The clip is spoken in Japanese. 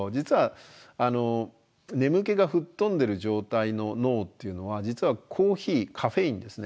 実は眠気が吹っ飛んでる状態の脳っていうのは実はコーヒーカフェインですね